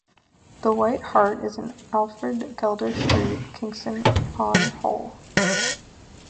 "The White Hart" is in Alfred Gelder Street, Kingston upon Hull.